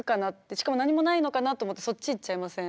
しかも何もないのかなと思ってそっち行っちゃいません？